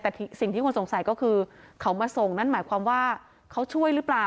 แต่สิ่งที่คนสงสัยก็คือเขามาส่งนั่นหมายความว่าเขาช่วยหรือเปล่า